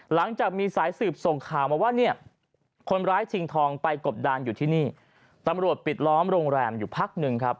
หลังจากมีสายสืบส่งข่าวมาว่าเนี่ยคนร้ายชิงทองไปกบดานอยู่ที่นี่ตำรวจปิดล้อมโรงแรมอยู่พักหนึ่งครับ